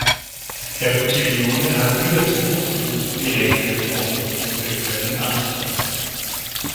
Herr Buttiglione hat nie dazu aufgerufen, die Rechte der Frauen und Homosexuellen anzutasten.